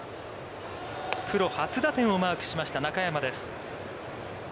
プロ初打点をマークしました中山です。